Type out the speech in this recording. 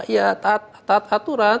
ya taat aturan